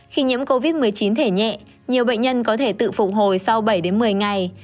khi nhiễm covid một mươi chín thể nhẹ nhiều bệnh nhân có thể tự phục hồi sau bảy đến một mươi ngày